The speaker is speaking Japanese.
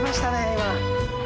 今。